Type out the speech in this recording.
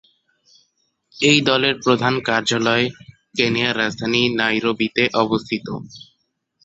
এই দলের প্রধান কার্যালয় কেনিয়ার রাজধানী নাইরোবিতে অবস্থিত।